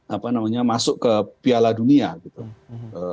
jadi kita bisa masuk ke piala dunia gitu